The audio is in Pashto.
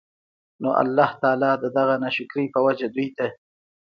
نو الله تعالی د دغه ناشکرۍ په وجه دوی ته